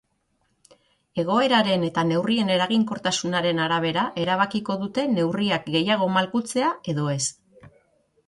Egoeraren eta neurrien eraginkortasunaren arabera erabakiko dute neurriak gehiago malgutzea edo ez.